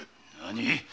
何！？